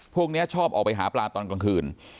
พวกนี้ชอบออกไปหาปลาตอนกลางคืน